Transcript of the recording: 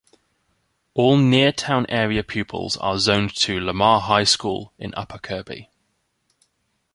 All Neartown area pupils are zoned to Lamar High School in Upper Kirby.